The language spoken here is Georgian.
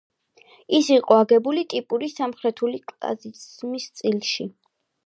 ის იყო აგებული ტიპური სამხრეთული კლასიციზმის სტილში.